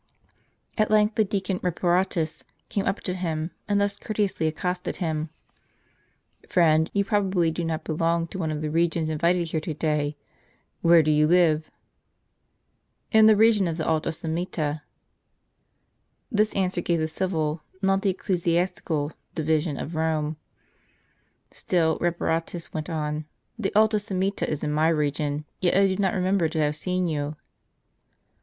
At length the Deacon Reparatus came up to him, and thus courteously accosted him :" Friend, you probably do not belong to one of the regions invited here to day. Where do you live? "" In the region of the Alta Semita." * This answer gave the civil, not the ecclesiastical, division of Rome; still Reparatus went on: "The Alta Semita is in my region, yet I do not remember to have seen you."